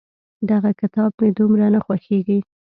دغه کتاب مې دومره نه خوښېږي.